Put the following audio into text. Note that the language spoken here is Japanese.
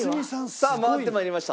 さあ回って参りました。